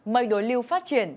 mây đối lưu phát triển